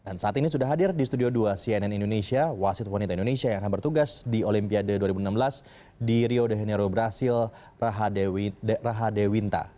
dan saat ini sudah hadir di studio dua cnn indonesia wasit wanita indonesia yang akan bertugas di olimpiade dua ribu enam belas di rio de janeiro brazil raha dewi neta